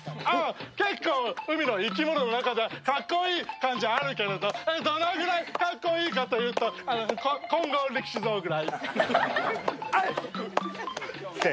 結構、海の生き物の中じゃかっこいい感じあるけれどどのくらいかっこいいかというと金剛力士像ぐらい、はい！